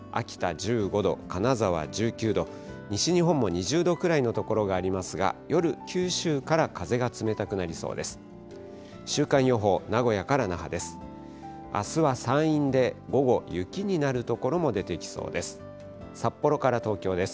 １５度、金沢１９度、西日本も２０度くらいの所がありますが、夜、九州から風が冷たくなりそうです。